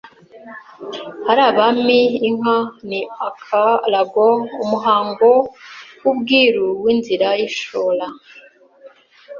ari abami ’inka ni akoraga umuhango w’ubwiru w’Inzira y’ishora